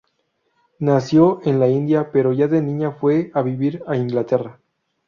Nació en la India, pero ya de niña fue a vivir a Inglaterra.